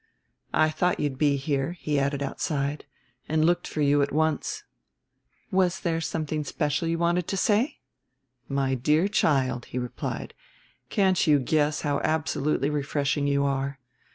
"I thought you'd be here," he added outside, "and looked for you at once." "There was something special you wanted to say?" "My dear child," he replied, "can't you guess how absolutely refreshing you are?